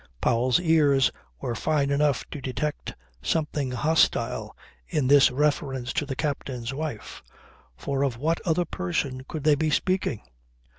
Powell's ears were fine enough to detect something hostile in this reference to the captain's wife. For of what other person could they be speaking?